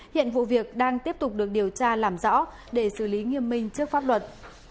hiện vụ việc đang tiếp tục được điều tra làm rõ để xử lý nghiêm minh trước pháp luật